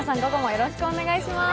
よろしくお願いします。